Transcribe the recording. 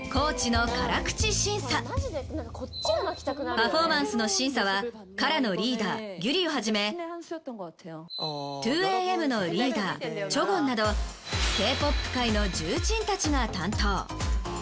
パフォーマンスの審査はＫＡＲＡのリーダーギュリを始め２ＡＭのリーダーチョ・グォンなどＫ−ＰＯＰ界の重鎮たちが担当。